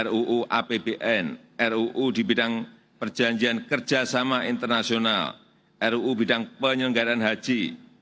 ruu apbn ruu di bidang perjanjian kerjasama internasional ruu bidang penyelenggaraan haji